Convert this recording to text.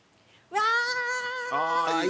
わい！